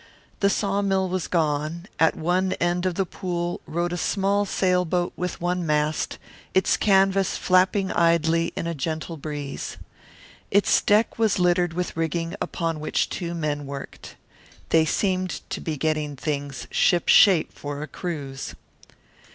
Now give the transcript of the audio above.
The sawmill was gone; at one end of the pool rode a small sail boat with one mast, its canvas flapping idly in a gentle breeze. Its deck was littered with rigging upon which two men worked. They seemed to be getting things shipshape for a cruise.